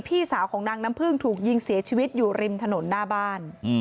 พี่สาวของนางน้ำพึ่งถูกยิงเสียชีวิตอยู่ริมถนนหน้าบ้าน